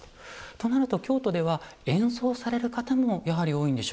となると京都では演奏される方もやはり多いんでしょうか？